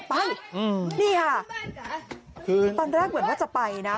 พันธ์แรกเหมือนว่าจะไปนะ